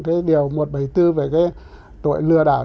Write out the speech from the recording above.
cái điều một trăm bảy mươi bốn về cái tội lừa đảo